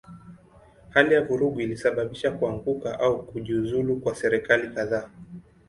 Hali ya vurugu ilisababisha kuanguka au kujiuzulu kwa serikali kadhaa.